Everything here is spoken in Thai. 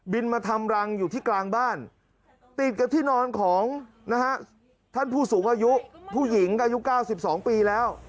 มาทำรังอยู่ที่กลางบ้านติดกับที่นอนของนะฮะท่านผู้สูงอายุผู้หญิงอายุ๙๒ปีแล้ว